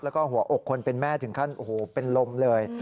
แล้วก็หัวอกคนเป็นแม่ถึงขั้นโอ้โหเป็นลมเลย